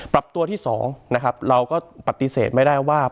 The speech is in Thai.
ปรับตัวที่๒นะครับเราก็ปฏิเสธไม่ได้ว่า